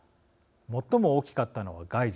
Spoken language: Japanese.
最も大きかったのは外需